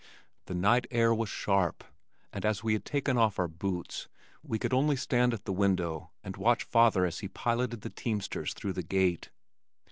The night air was sharp, and as we had taken off our boots we could only stand at the window and watch father as he piloted the teamsters through the gate.